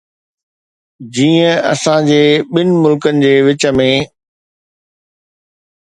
جيئن اسان جي ٻن ملڪن جي وچ ۾.